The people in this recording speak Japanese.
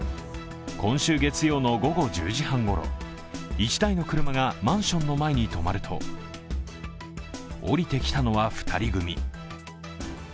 今週月曜の午後１０時半ごろ、１台の車がマンションの前に止まると降りてきたのは２人組。